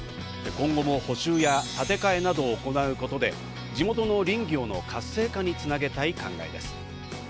今後も補修や建て替えなどを行うことで、地元の林業の活性化につなげたい考えです。